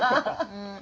うん。